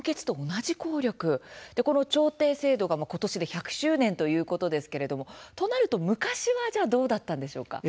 この調停制度が今年で１００周年ということですけれどもとなると昔は、じゃあどうだったんでしょうか？